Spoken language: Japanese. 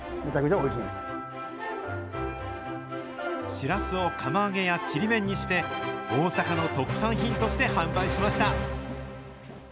シラスを釜揚げやちりめんにして、大阪の特産品として販売しました。